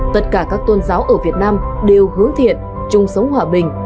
tất cả các tôn giáo ở việt nam đều hướng thiện chung sống hòa bình